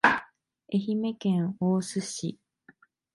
愛媛県大洲市